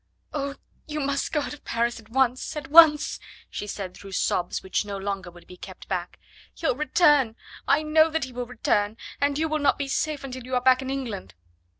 "Oh! you must go out of Paris at once at once," she said through sobs which no longer would be kept back. "He'll return I know that he will return and you will not be safe until you are back in England."